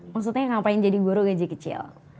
maksudnya ngapain jadi guru gaji kecil